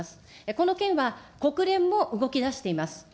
この件は、国連も動き出しています。